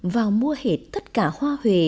vào mua hết tất cả những đồ lĩnh đạ bạc màu